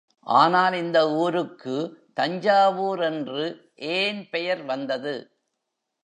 ஆனால் இந்த ஊருக்கு தஞ்சாவூர் என்று ஏன் பெயர் வந்தது?.